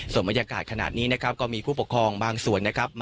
ส่วนบรรยากาศขนาดนี้ก็มีผู้ปกครองบางส่วน